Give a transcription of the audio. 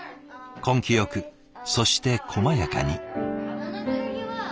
根気よくそしてこまやかに。